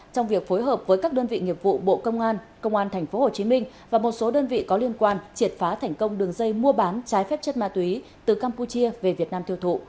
trong việc phối hợp với các đơn vị nghiệp vụ bộ công an công an tp hcm và một số đơn vị có liên quan triệt phá thành công đường dây mua bán trái phép chất ma túy từ campuchia về việt nam tiêu thụ